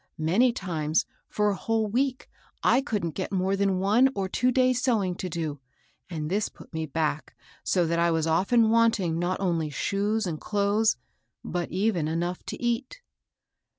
Many times for a whole week I couldn't get more than one or two days' sewing to do ; and this put me back so that I was often wanting not only shoes and clothes, but even enough to eat.